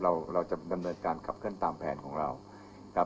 เราจะดำเนินการขับเคลื่อนตามแผนของเราครับ